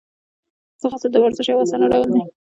ځغاسته د ورزش یو آسانه ډول دی